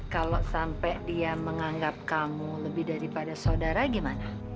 kalau sampai dia menganggap kamu lebih daripada saudara gimana